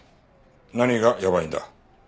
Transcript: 何がやばいんだ？